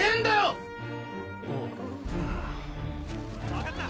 ・分かった！